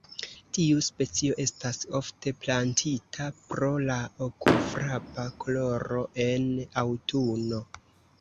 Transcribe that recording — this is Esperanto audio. Tiu specio estas ofte plantita pro la okulfrapa koloro en aŭtuno.